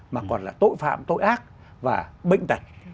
mà còn là tội phạm tội ác và bệnh tật